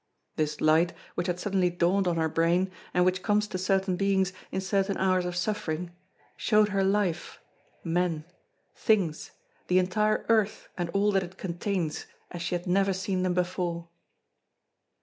This light, which had suddenly dawned on her brain, and which comes to certain beings in certain hours of suffering, showed her life, men, things, the entire earth and all that it contains as she had never seen them before.